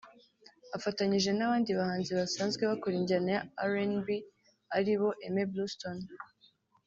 afatanyije n'abandi bahanzi basanzwe bakora injyana ya RnB ari bo; Aime Bluestone